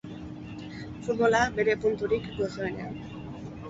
Futbola bere punturik gozoenean.